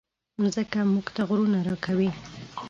مځکه موږ ته غرونه راکوي.